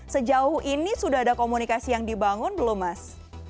sejauh ini sudah ada komunikasi yang dibangun belum mas